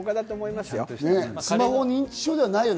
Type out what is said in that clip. スマホ認知症ではない。